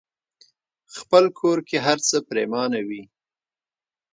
خپل کور کې هرڅه پريمانه وي.